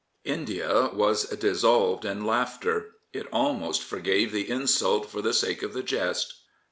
India was dissolved in laughter. It almost forgave the insult for the sake of the jest.